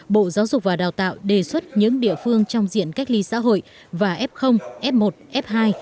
bộ giáo dục và đào tạo đề xuất những địa phương trong diện cách ly xã hội và f f một f hai